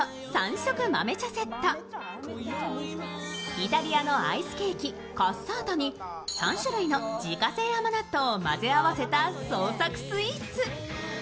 イタリアのアイスケーキ、カッサータに３種類の自家製甘納豆を合わせた創作スイーツ。